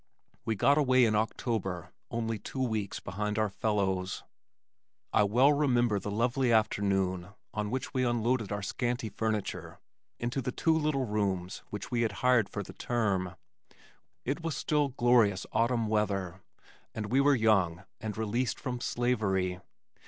We got away in October, only two weeks behind our fellows. I well remember the lovely afternoon on which we unloaded our scanty furniture into the two little rooms which we had hired for the term. It was still glorious autumn weather, and we were young and released from slavery.